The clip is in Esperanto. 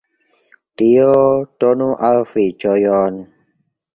Dio donu al vi ĝojon.